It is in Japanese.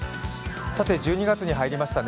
１２月に入りましたね。